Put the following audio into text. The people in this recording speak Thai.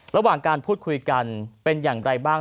ระหว่างการพูดคุยกันเป็นอย่างไรบ้าง